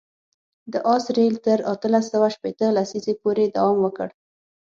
د آس رېل تر اتلس سوه شپېته لسیزې پورې دوام وکړ.